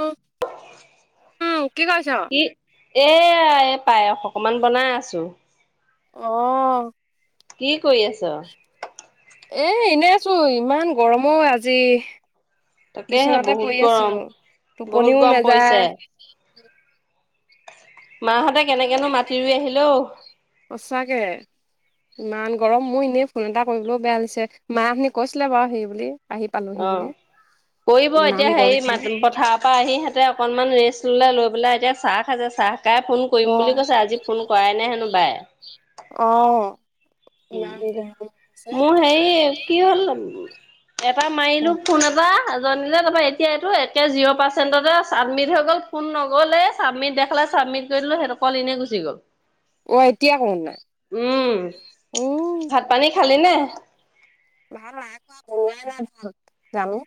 উম, উম, কি কৰিছ? কি, এই পায়স অকমান বনাই আছোঁ। অ'। কি কৰি আছ? ছো, ইমান গৰম অ', আজি। তাকেহে বিচনাতে বহুত পৰি গৰম আছিলোঁ, বহুত টোপনিও গৰম নেযায়। পৰিছে। মাহঁতে কেনেকেনো মাতি ৰুই আহিল অও, সঁচাকে। ইমান গৰম মোৰ এনেই ফোন এটা কৰিবলৈও বেয়া লিছে মাখিনি কৈছিলে বাৰু সেই বুলি, আহি পালোহি অ বুলি কৰিব ইমান এতিয়া গৰম হেৰি ম পথাৰৰ পৰা আহি। এতিয়া অকণমান ৰেষ্ট ল'লে লৈ পেলাই এতিয়া চাহ খালো চাহ। ককাই ফোন কৰিম বুলি অ', কৈছে আজি ফোন কৰাই নাই হেনো বাই। অ', উ ইমান গৰম হৈছে মোৰ হে কি হ'ল। এবাৰ মাৰিলো ফোন এটা। জানিলে তাৰাপা এতিয়া এইটো একে জিৰ পাৰ্চেণ্টতে ছাবমিট হৈ গ'ল ফোন নগলে চাবমিট দেখালে। চাবমিট কৰিলো সেইটো কল এনে গুচি গ'ল। অ এতিয়া কোন নাই। উম উম, ভাত পানী খালি নে, ভাল নাই খোৱা বনোৱাই নাই ভাল জানো।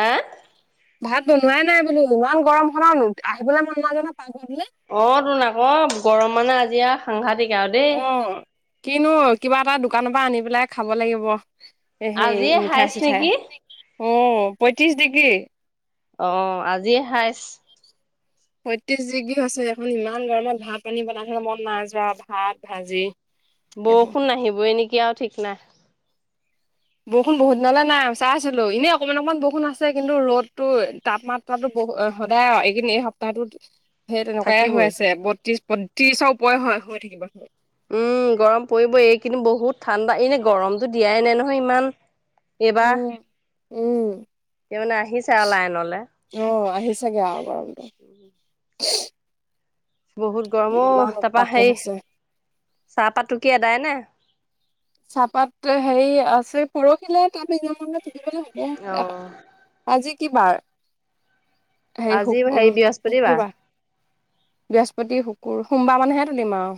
আহ, ভাত বনোৱাই নাই বোলো ইমান গৰম খনত আহিবলৈ মন নাই যোৱা নহয়। পাকঘৰটোলে অ তোৰ আক গৰম মানে আজি আৰু সাংঘাতিকে আৰু দেই। অ', কিনো কিবা এটা দোকানৰ পৰা আনি পেলাই খাব লাগিব। সেই আজিয়ে মিঠা হাইচ চিঠাই নেকি অ পয়ত্ৰিশ ডিগ্ৰী। অ আজিয়ে শাইছ। সত্ৰিশ ডিগ্ৰী হৈছে দেখোন ইমান গৰমত ভাত পানী বনাই থলে মন নাযোৱা ভাত ভাজি, সেইবোৰ। বৰষুণ নাহিবই নেকি আৰু ঠিক নাই। বৰষুণ বহুত দিনালে নাই চাই আছিলো এনেই অকমান অকণমান বৰষুণ আছে কিন্তু ৰ'দতো তাপমাত্ৰাতো। সদায় এইকিন এই সপ্তাহটোত, সেই তেনেকুৱাইে হৈ থাকিবই আছে বত্ৰিশ বত্ৰিশৰ ওপৰে হয় হৈ থাকিব। উম, গৰম পৰিব এই কিন্তু বহুত ঠাণ্ডা এনে গৰমতটো দিয়াই নাই নহয় ইমান। এবাৰ লাইনলে আহ আহি চাগে আৰু গৰমটো উ, বহুত গৰমো তাৰপা সেই হৈছে। চাহপাত কি এদায় ন চাহপাত হেৰি আছে পৰহিলে তাৰি ম অ হ আজি কি বাৰ সেই আজি শুক উম হেৰি বৃহস্পতিবাৰ শুকুৰবাৰ বৃহস্পতি শুক ক সোমবাৰ মানেহে তুলিম আৰু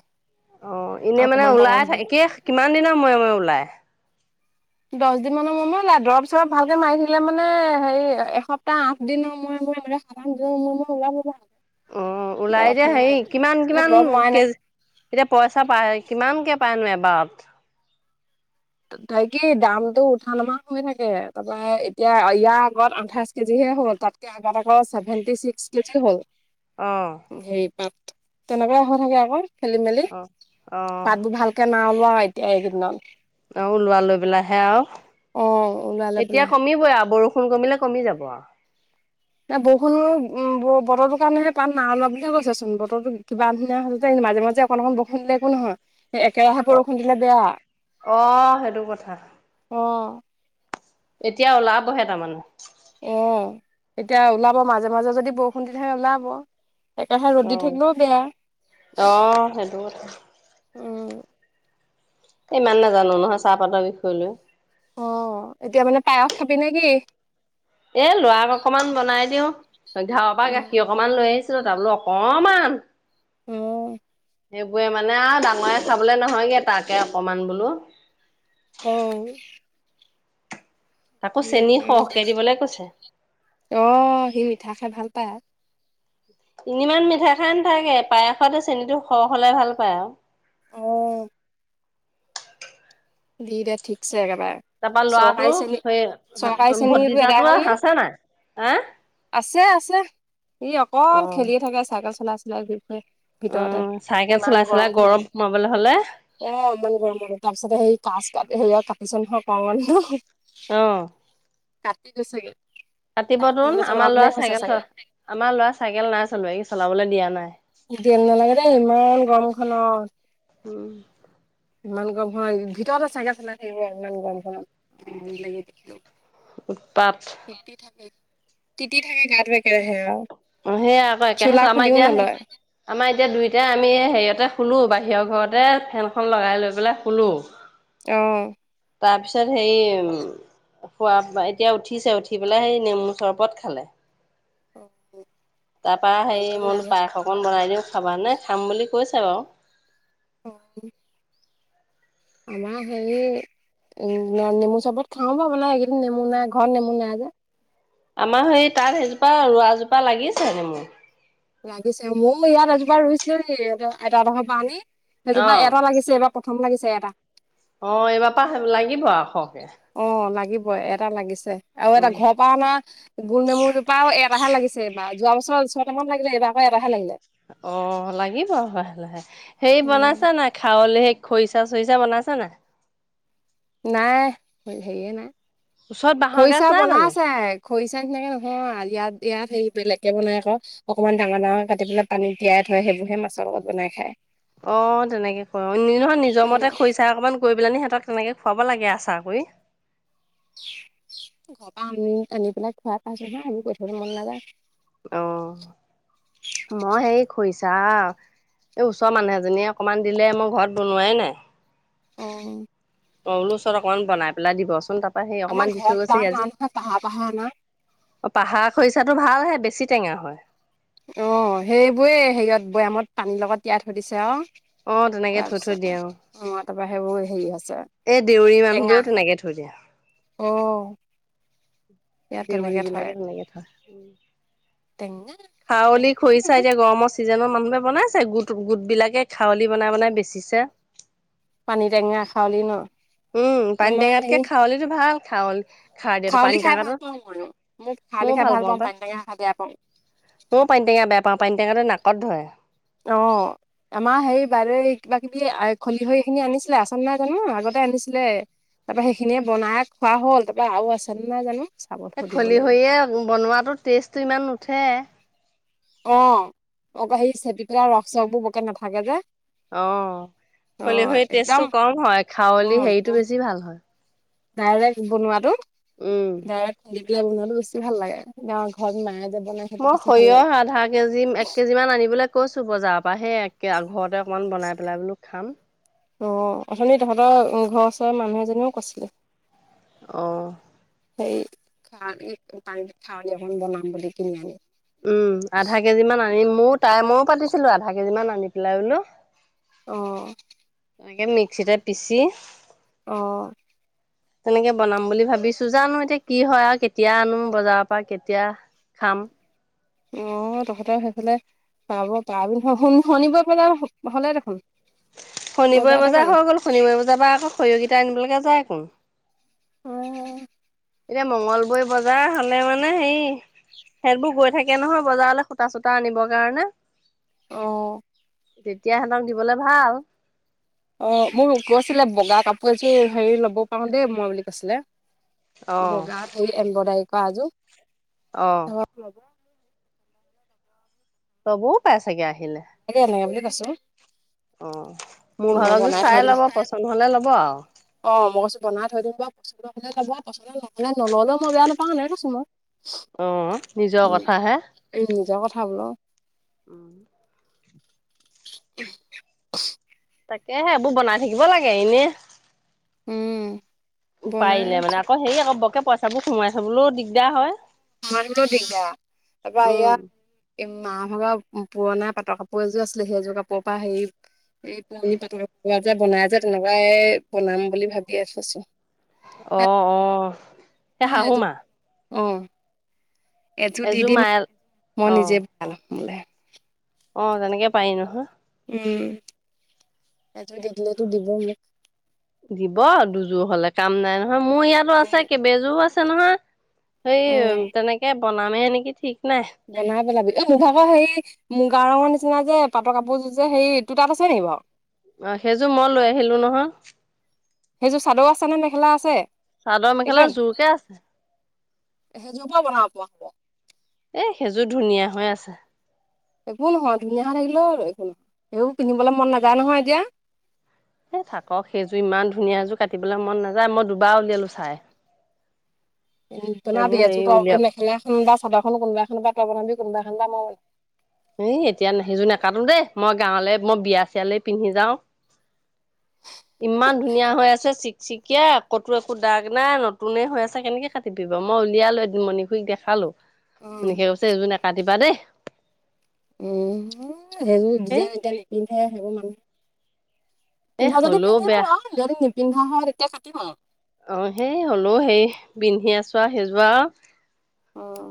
অ' এনে মানে অকমান ওলাই ডাঙৰ থ হ'ব একে কিমান দিনৰ মই মই ওলাই দহ দিন মানৰ মই মই লা দৰৱ চৰব ভালকে মাৰিছিলিলে মানে হেৰি এসপ্তাহ আঠ দিনৰ মই মই ম সাধান মই মই ওলাব অ', দৰৱ ওলাই দিয়া খিনি মাৰি হেৰি থাকিলে কিমান এতিয়া কিমান দৰৱ মৰাই নাই কেজ এতিয়া পইচা পায় কিমান কে প নে বাট তাই কি দামতটো উঠা নমাহ হৈ থাকে তাৰপৰা এতিয়া ইয়াৰ আগত আঠাইশ কেজিহে হ'ল তাতকে আগ আেভেটি ছিক্স কেজকে হ'ল। আহ। তেনেকুৱাই হৈ থাকে আকৌ খেলি মেলি অ'। অ', পাতবোৰ ভালকে নাও। তিয়া ন। অ', ওলোৱা লৈ পেলাইাহে আৰু অ ওলালে বোলে এতিয়া কমিবই আৰু বৰষু ণ কমিলে কমি যাব। ন বৰষুণৰ উম বতৰটোৰ কাৰণেহে পান ন ওলোৱা বুলিয়ে কৈছে চোন বতৰো কিবা [unintelligible] মাজে মাজে অকণ অক ব শুনিলে একো নহয়। সেই একেৰাহে অ', বৰষুণ দিলে বেয়া, অ', সেইটো কথা অ',। এতিয়া ওলাবহে তাৰ মানে। আহ এতিয়া ওলাব মাজে মাজে যদি বৰষুণ দি থাকে ওলাব। একেষে ৰ'দদি অ'। থাকিলেও বেয়া। অ', সেইটো কথা অ',। ইমান নোজানো নহয় চাহপাতৰ বিষয় লৈ। অ', এতিয়া মানে পায়স খাবি নে কি? এ লৰাক অকনমান বনাই দিও ঘৰৰ পৰা উম গাখীৰ অকমান লৈ আহিছিলো। যাবলৈ অকমান। আহ। সেইবোৰে মানে আৰু ডাঙৰে চাবলে নহয়গে তাকে অকমান বোলো। অ',। আকৌ চেনি সৰহকে দিবলৈ কৈছে। আহ সি মিঠা খাই ভাল পায় আৰু। ইমান মিঠা খাই নথাকে পায়সতে চেনীটো খৰ হলে ভাল পায় আৰু। অ',। দিদে ঠিকছে। একেবাৰে তাৰপা চৰকাৰী লৰাটো চেনী চৰকাৰী সেই শ্ৰেণীটো এদাই ভটিজাতটো হ'ল নে আছে নাই? আহ। আছে আছে ই অকল অ'। খেলিয়ে থাকে চাইকেল চলাই চলাই গ ভিতৰতে উম, চাইকেল ইমান চলাই গৰম চলাই খাব। সোমাবলৈ হলে এ অনিবমন তাৰ পিছত সেই কাচ ক সে আৰু কাটিছ নহ কওঁ ন। আহ। [inaudible] ৰাতিপুৱা তোন আমাৰ লৰা হৈছে চাইকেল চাগে চ আমাৰ লৰা চাইকেল নাই চলোৱ চলাবলৈ দিয়া নাই। দম নালাগে দেই ইমান গৰম খনত। উম'। ইমান গৰম হ ভিতৰতে চাগগে চাই থাকিব ইমান গৰম হ লাগিলো। উৎপাত তিতি থাকে তিতি থাকে গাত বেকেৰাহে আৰু। সেয়য়া আকৌ একেছ চোলা আমাৰ খুলিও এতিয়া নলয় আমাৰ এতিয়া দুইটাই আমি হেৰিয়তে খুলোঁ বাহিৰৰ ঘৰতে ফেনখন লগাই লৈ পেলাই খুলোঁ। আহ। তাৰ পিছত সেই উ খোৱা এতিয়া উঠিছে উঠি পেলাই সেই নেমু চৰবত খালে। অ',। তাৰপা হেৰি মোলো পায়স অকণ বনাই দিওঁ খাবা নে খাম বুলি কৈছে বাৰু। অ',। আম হে ম নেমু চবত খাওঁ বা বোে এইকেইদিন নেমু নাই ঘৰত নেমু নাই যে। আমাৰ সেই তাত সেইজোপা ৰোৱা জোপা লাগিছেন। লাগিছে ময় ইয়াত এজোপা ৰুইছিলো দ এটা এডশৰ পৰা আনি এোপা অ', এটা লাগিছে এবাৰ। প্ৰথম লাগিছে এটা। অ এইবাৰ প লাগিব আ খৰকে। অ লাগিবই এটা লাগিছে আৰু এটা উম। ঘৰ পৰানা। গল নেমুৰটো পৰাাও এটাহে লাগিছে বা যোৱা বছৰ ছয়টামান লাগিলে এইবাৰকৌ এটাহে লাগিলে অ লাগিব লাহে লাহে হেৰি উম, বনাইছা নাই খাৱলে সে খৰিচা চৰিচা বনাইছ নাই? নাই সেয়ে নাই। ওচৰত বাঁহৰ গাজ খৰিচা নাই বনাই জানো? আছে খৰিচা সনোকে নহয় ইয়াত ইয়াত। সেই বেলেগকে বনাই আক অকমান ডাঙৰ ডাঙৰ কাটি পেলাই পানী তিয়াই থয় সেইবোৰ হে মাছৰ লগত বনাই খায়। অ' তেনেকে ক নহয় নিজৰ উম, মতে খৰি চাই অকনমান কৰি পেলাই নি সিহঁতক তেনেকে খুৱাব লাগে আচ কৰি। ঘৰৰ পৰা আনি আনি পেলাই খোৱাৰ পাইছ নহয় আি কৈ থব মন নাযায়। আহ মই সেই খুইছা এই ওচৰৰ মানুহ এজনীয়ে অকমান দিলে মোৰ ঘৰত বনোৱাই নাই। অ'। অল ওচৰত অকমান বনাই পেলাই দিবচোন ত প সি আমাৰ অকনমান দি থৈ ঘৰত বাম গৈছেি নাই আজি নহয় পাহাৰ পাহাৰ আনা। অ পাহাৰ খৰিচাটো ভাল হে। বেছি টেঙা হয়। অ' সেইবোৰেই হেৰিয়ত বৈয়ামত পানীৰ লগত তিয়াই থৈ দিছে আৰু। অ' তেনেকে থৈ থৈ দিয়ে অ'। তাৰপিছতে মই তাৰ বাহেবোৰ হেৰি আছে। এই দেউৰী মানুহবোৰেও টেঙা তেনেকে থৈ দিয়ে। হয় উ। দেউৰী বিলাকে তেনেকে থ টেঙা খাৱলি টেঙা হয় খৰিচা বাৰু। এতিয়া গৰমৰ চিজনত মানুহে বনাইছে গ গোট গোট বিলাকে খাৱলি বনাই বনাই বেচিছে পানী টেঙা খাৰলি ন? উম পানীটেঙাতকে খাৱলো ভাল খল খাৱলি খাই ভাল পাওঁ মও মোক খাৱলি খাই ভাল পাওঁ পানী দঙা খ খা বেয়া পাওঁ। ময়ও পানী টেঙা বেয়া পাওঁ পানী টেঙাটোো নাকত ধৰে। আহ। আমাৰ সেই বাৰে কিবা কিবি খলি হৈ খিনি আনিছিলে আচান নাই জানো আগতে আনিছিলে তাৰ পৰাৰা সেইখিনিয়ে বনাই খোৱা হল তাৰ পৰাৰা আৰু আছে নো নাই জানো। চাব সুধিব খলি লাগিব। হৈয়ে বনোৱাতো টেষ্টটো ইমান নুঠে অ অক সেই চেপি পেলাই ৰস চস বোৰ বকে নাথাকে যে। অ খল অ', হৰি একদম টেষ্টটো কম হয় খাৱল অ', হেৰিতটো বেছি ভাল হয়। ডাইৰেক্ট বনোৱাতটো উম। ডাইৰেক্ট খুন্দিব। পা বনাতো বেছি ভাল লাগে গাঁৱ ঘৰত মায়ে। বনাই সেইটো মই বেছি ভাল লাগে। সৰিয়হ আধা কেজি এক কেজি মান আনিবলৈ কৈছো। ো বজাৰৰ পৰা সেই একে ঘৰতে অকনমান বনাই পেলাই বোলো খাম। অ অথনিনি তহঁতৰ ঘৰৰওৰৰ মানুহ এজনীও কৈছিলে। অ', সেই খ পানী খউলি এখন বনাম বুলি কিনি আনি উম, আধা কেজি মান আনি ময় তাই ময়ো পাতিছিলো আধা কেজি মান আনি পেলাই বোলো। অহ ', এনেকৈ মিক্সিতে পিচি অ', তেনেকে বনাম বুলি ভাবিছো জানো এতিয়া কি হয় আৰু কেতিয়া আনো বজাৰৰ পৰা কেতিয়া খাম। অ, তহঁতেৰ সেইফালে পাব পাৰি নহয় শুনি - শুনিব পেলাই হলে দেখোন। শনিবাৰে বজাৰতে বজাৰ পাবি। হৈ গ'ল শনিবাৰে বজাৰ পৰা আকৌ খৰিয় গিটা আনিবলৈকে যায় আকোন। উম, এতিয়া মঙ্গলবৈ বজাৰ হলে মানে হে সেইটবোৰ গৈ থাকে নহয় বজাৰলৈ সূতা চূতা আনিবৰ কাৰণে। অহ ', তেতিয়া সিঁতক দিবলে ভাল। অ, মোৰ ক আছিলে বগা কাপোৰ এযোৰ হেৰি লব পাৰো দেই মই বুলি কৈছিলে। অ', বগা এমবদাই অ'। কৰাজোৰ। ত বহত পাইচাক আহ তেনে বুলি ক আছো। অ', মোৰ মই ভাগৰযোৰ বনাই চাই থৈ দিম ল'ব পচন্দ হলে ল'ব আৰু। অ, মই কৈছো বনাই থৈ দিম ব পচন্দ হ'লে ল'ব পচন্দ নহ'লে নল'লে মই বেয়া নাপাওঁ মানে এনেই কৈছো মই অ নিজৰ কথা হে ভাল ন উম [inaudible] তাকেহে এইবোৰ বনাই থাকিব লাগে উম, এনেই বনাই পাৰিলে মানে আকৌ হে আকৌ বকে পইচা বোৰ সোমাই থাবলৈও দিগদাৰ হয় সোমোৱাৰ থ'বলৈ দিগদাৰ তাৰ পৰা উম, এয়া ইমান [unintelligible] পুৰণা পাটৰ কাপোৰ এযোৰ আছিলে সেইযোৰ কাপোৰৰ পৰা হেৰি এই পুৰণি পাতল পোৱা যে বনাই যে তেনেকুৱাই বনাম বুলি ভাবিয়ে থৈছোঁ অহ অহ সেই অ', এযোৰ শাহুমা অ এযোৰ দি দিম মায়ে [unintelligible] মই অ', নিজে বনাই লয় মোলে অ তেনেকে পাৰি নহয় উম এযোৰ দি দিলে টো দিব মোক দিব দুযোৰ হলে কাম নাই নহয় মোৰ ইয়াতো আছে মোক কেইবাযোৰো আছে নহয় সেই উম, তেনেকে বনামেহে নেকি ঠিক নাই বনাই পেলাবি অ মোৰ ভাগৰ সেই মুগা ৰঙৰ নিচিনা যে পাটৰ কাপোৰযোৰ যে সেই তো তাত আছে নেকি বাও অ সেইযোৰ মই লৈ আহিলো নহয় সেইযোৰ চাদৰ আছে নে মেখেলা আছে চাদৰ মেখেলা জোৰকে আছে সেই যোৰ পাওঁ বনাব পোৱা হ'ব এ সেইযোৰ ধুনীয়া হৈ আছে একো নহয় ধুনীয়া হৈ থাকিলে একো নহয় সবোৰ পিন্ধিবলৈ মন নাযায় নহয় এতিয়া এ থাকক সেইযোৰ ইমান ধুনীয়া এযোৰ কাটিবলৈ মন নাযায় মই দুবাৰ উলিয়ালো চাই উ ন বি সেইবোৰ এজো হেৰি প উলিয়াম মেখেলা এখন বা সদাখন কোনোবা এখন বাতৰ বনাবি কোনোবা এখন দামাব এ এতিয়া সিয নকাটো দেই মই গাঁৱলে মই বিয়া চিয়ালৈ পিন্ধি যাওঁ। ইমান ধুনীয়া হৈ আছে চিকচিকিয়া, কতো একো দাগ নাই নতুনে হৈ আছে কেনেকে কাটিবি এই মই উলিয়ালো এদিন মণ খুৰীক দেখালো, মনি অ'। খুৰীয়ে কৈছে এযোৰ নাকাটিবা দেই। উম, সেইবোৰ [unintelligible] এ এতিয়া নিপিন্ধে সেইবোৰ মানুহ এ পিন্ধা যদি হ'লেও পিন্ধিব বেয়া আৰু যদি নিপিন্ধা হয় তেতিয়া কাটিব আৰু। আহ, সেই হলেও সেই [unintelligible] আছো আও সেইজো আও। উম।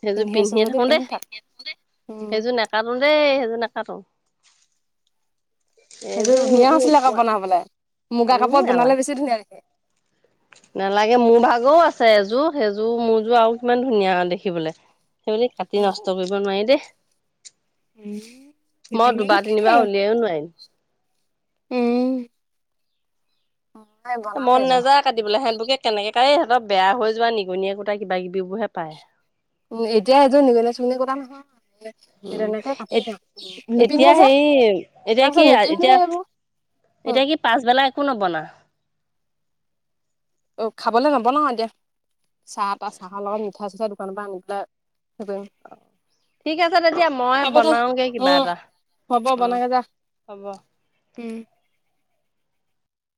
সেইযোৰ পিন্ধিয়ে যদি থাকো পিন্ধি দেই, থাক। উম, সেইযোৰ নাকটো দেই সেইযোৰ নাকটো। সেইযোৰ এইযোৰ ধুনীয়া আছিলে আকৌ নোপোৱা বনাবলে, মুগা উম কাপোৰত নালাগে বনালে বেছি ধুনীয়া। [unintelligible] নালাগে মোৰ ভাগৰও আছে এযোৰ সেইযোৰ মোৰযোৰ আৰু কিমান ধুনীয়া দেখিবলৈ সেই বুলি কাটি নষ্ট কৰিব নোৱাৰি দেই মই তেতিয়াহ'লেনো দুবাৰ কি কৰে তিনিবাৰ উলিয়াইও নোৱাৰিম উম, মই বনাম মন এযোৰ নাযায় কাটিবলৈকে হেতুকে কেনেকে কায় অলপ বেয়া হৈ যোৱা নিগনি একোটা কিবা কিবিবোৰহে পায় উম এতিয়া এইযোৰ নিগনি চিগনিয়ে কুটা নহয় উম যেনেকে এ কাপোৰ ন এতিয়া নিপিন্ধে যে হেৰি তাৰ এতিয়া কি পাছত নিপিন্ধে এতিয়া এ এইবোৰ অ'। এতিয়া কি পাছবেলা একো নবনা খাবলে নবনাও এতিয়া। চাহ তাহ চাহৰ লগত পাষ্টা দোকানৰ পৰা আনি পেলাই হেৰি কৰিম ঠিক আছে তেতিয়া মই হ'ব দে বনাওগে কিবা উম এটা। হ'ব অ, বনাগে যা হ'ব উম